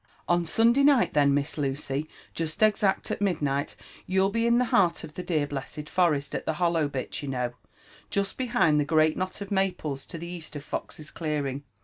*' On Sunday night then, Miss Lucy, jest exact at midnight, you'll be in the heart of the dear blessed forest, at the hollow bit, you know» jest behind the great knot of maples to the east of Fox's clearing.